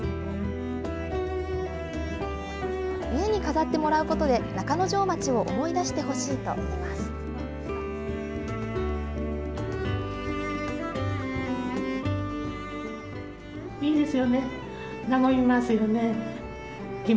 家に飾ってもらうことで、中之条町を思い出してほしいといいます。